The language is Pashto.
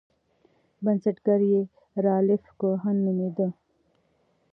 بنسټګر یې رالف کوهن نومیده.